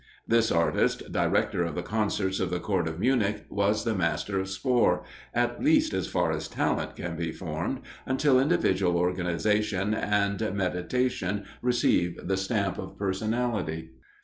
This artist, director of the concerts of the Court of Munich, was the master of Spohr at least, as far as talent can be formed, until individual organisation and meditation receive the stamp of personality.